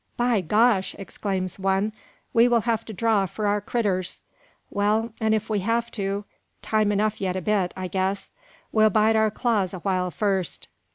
"By gosh!" exclaims one, "we'll have to draw for our critters." "Well, and if we have to time enough yet a bit, I guess. We'll bite our claws a while first."